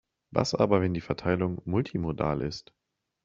Was aber, wenn die Verteilung multimodal ist?